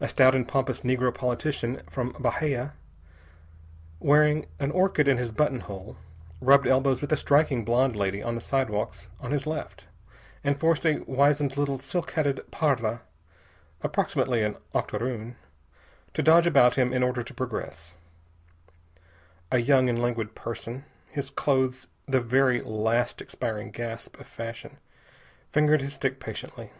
A stout and pompous negro politician from Bahia, wearing an orchid in his button hole, rubbed elbows with a striking blonde lady of the sidewalks on his left, and forced a wizened little silk hatted parda approximately an octoroon to dodge about him in order to progress. A young and languid person, his clothes the very last expiring gasp of fashion, fingered his stick patiently.